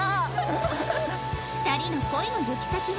２人の恋の行き先は？